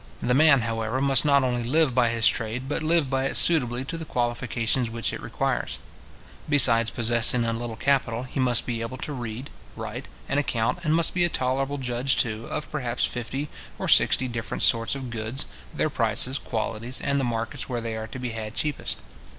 The man, however, must not only live by his trade, but live by it suitably to the qualifications which it requires. Besides possessing a little capital, he must be able to read, write, and account and must be a tolerable judge, too, of perhaps fifty or sixty different sorts of goods, their prices, qualities, and the markets where they are to be had cheapest.